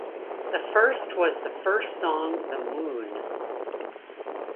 The first was the first song The Moon.